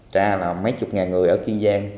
tra là mấy chục ngàn người ở kiên giang